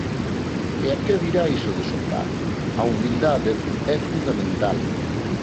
E a que virá iso de soprar, a humildade é fundamental.